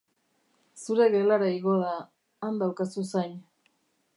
Zure gelara igo da, han daukazu zain.